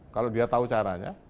kalau dia tahu caranya